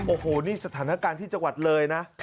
โอ้โหนี่สถานการณ์ที่จังหวัดเลยนะ